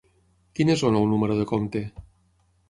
Quin és el nou número de compte?